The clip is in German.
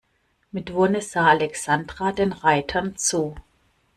Mit Wonne sah Alexandra den Reitern zu.